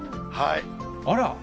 あら。